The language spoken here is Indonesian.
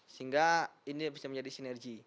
sehingga ini bisa menjadi sinergi